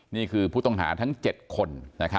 นี่คือผู้ต้องหาทั้ง๗คน